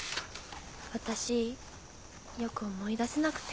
私よく思い出せなくて。